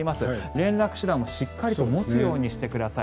連絡手段もしっかりと持つようにしてください。